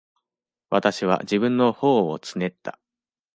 私は自分の頬をつねった。